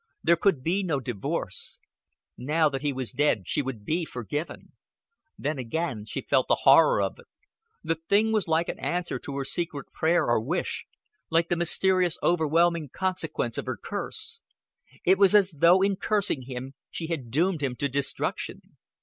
There could be no divorce. Now that he was dead, she would be forgiven. Then again she felt the horror of it. The thing was like an answer to her secret prayer or wish like the mysterious overwhelming consequence of her curse. It was as though in cursing him she had doomed him to destruction.